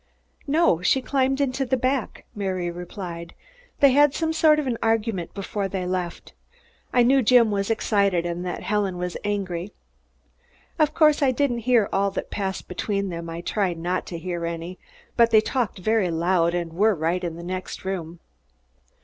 "No. She climbed into the back," Mary replied. "They had some sort of an argument before they left. I knew Jim was excited and that Helen was angry. Of course I didn't hear all that passed between them, I tried not to hear any, but they talked very loud and were right in the next room."